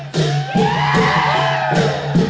สวัสดีครับ